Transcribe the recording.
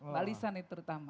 balisan itu terutama